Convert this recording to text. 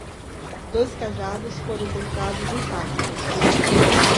Dois cajados foram encontrados intactos